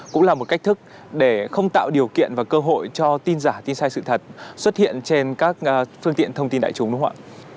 cũng là một cách thức để không tạo điều kiện và cơ hội cho tin giả tin sai sự thật xuất hiện trên các phương tiện thông tin đại chúng đúng không ạ